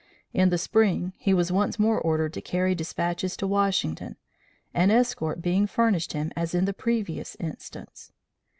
In the spring, he was once more ordered to carry despatches to Washington, an escort being furnished him as in the previous instance.